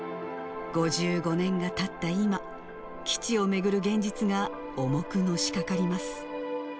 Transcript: ５５年がたった今、基地を巡る現実が重くのしかかります。